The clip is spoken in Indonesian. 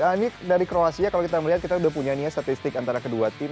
ini dari kroasia kalau kita melihat kita sudah punya nia statistik antara kedua tim